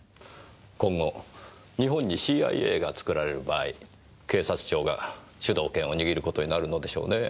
今後日本にＣＩＡが作られる場合警察庁が主導権を握る事になるのでしょうねぇ。